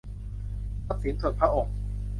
ทรัพย์สินส่วนพระองค์